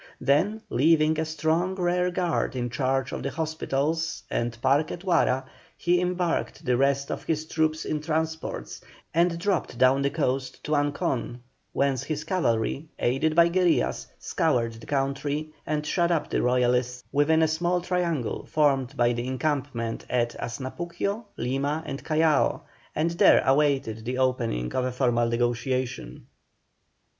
Then leaving a strong rear guard in charge of the hospitals and park at Huara, he embarked the rest of his troops in transports, and dropped down the coast to Ancon, whence his cavalry, aided by guerillas, scoured the country, and shut up the Royalists within a small triangle formed by the encampment at Asnapuquio, Lima, and Callao, and there awaited the opening of a formal negotiation.